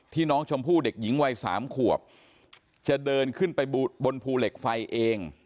น้องชมพู่เด็กหญิงวัย๓ขวบจะเดินขึ้นไปบนภูเหล็กไฟเอง